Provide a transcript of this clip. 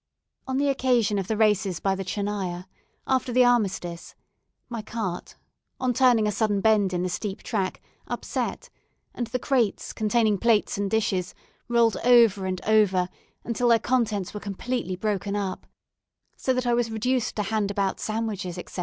On the occasion of the races by the Tchernaya, after the armistice, my cart, on turning a sudden bend in the steep track, upset, and the crates, containing plates and dishes, rolled over and over until their contents were completely broken up; so that I was reduced to hand about sandwiches, etc.